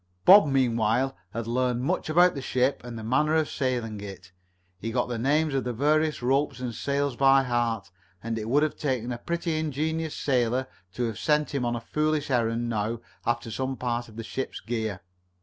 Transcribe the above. Bob meanwhile had learned much about the ship and the manner of sailing it. He got the names of the various ropes and sails by heart, and it would have taken a pretty ingenious sailor to have sent him on a foolish errand now after some part of the ship's gear.